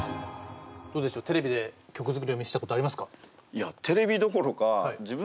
どうでしょうテレビで曲作りを見せたことありますか？